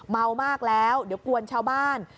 เมามากแล้วเดี๋ยวกวนชาวบ้าน